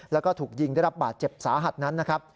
แล้วก็ถูกยิงได้รับบาดเจ็บสาหัสนั้นนะครับ